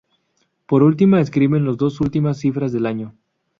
Por última escriben las dos últimas cifras del año.